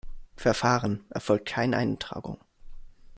Verfahren, erfolgt keine Eintragung.